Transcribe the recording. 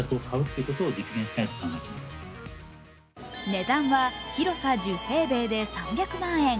値段は広さ１０平米で３００万円。